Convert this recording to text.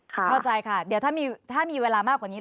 เข้าใจค่ะเดี๋ยวถ้ามีเวลามากกว่านี้